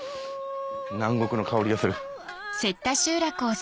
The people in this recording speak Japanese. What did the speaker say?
南国の香りがする。